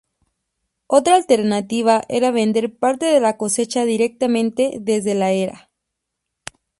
Otra alternativa era vender parte de la cosecha directamente desde la era.